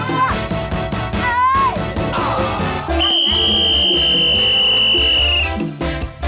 เฮ้ยน้อยยัง